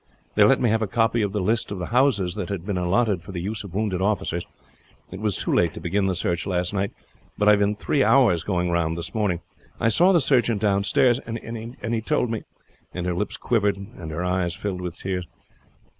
They let me have a copy of the list of the houses that had been allotted for the use of wounded officers. It was too late to begin the search last night, but I have been three hours going round this morning. I saw the surgeon downstairs and he told me " and her lips quivered and her eyes filled with tears.